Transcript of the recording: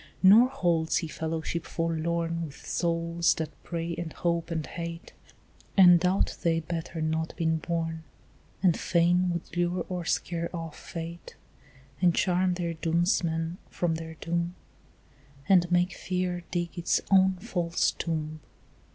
Nor holds he fellowship forlorn With souls that pray and hope and hate, And doubt they had better not been born, And fain would lure or scare off fate And charm their doomsman from their doom And make fear dig its own false tomb.